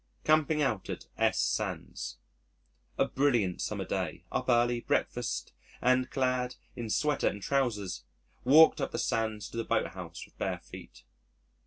Camping Out at S Sands A brilliant summer day. Up early, breakfasted, and, clad in sweater and trousers, walked up the sands to the boathouse with bare feet.